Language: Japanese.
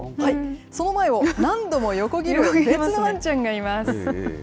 その前を何度も横切る別のワンちゃんがいます。